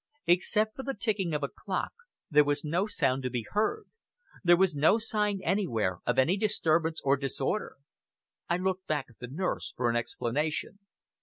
Except for the ticking of a clock, there was no sound to be heard; there was no sign anywhere of any disturbance or disorder. I looked back at the nurse for an explanation.